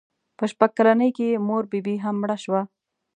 په شپږ کلنۍ کې یې مور بي بي هم مړه شوه.